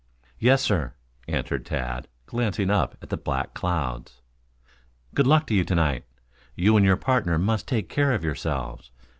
"Yes, sir," answered Tad, glancing up at the black clouds. "Good luck to you to night. You and your partner must take care of yourselves.